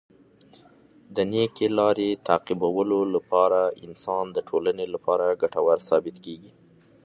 د نېکۍ لاره تعقیبولو سره انسان د ټولنې لپاره ګټور ثابت کیږي.